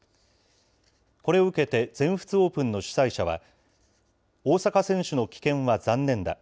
これを受けて全仏オープンの主催者は、大坂選手の棄権は残念だ。